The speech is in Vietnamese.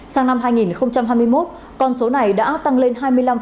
sang năm hai nghìn hai mươi một con số này đã tăng lên hai mươi năm